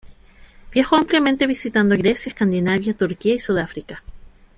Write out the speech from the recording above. Viajó ampliamente visitando Grecia, Escandinavia, Turquía y Sudáfrica.